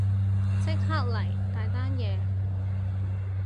即刻嚟，大單嘢